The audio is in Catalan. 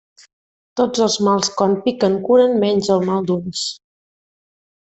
Tots els mals quan piquen curen, menys el mal d'ulls.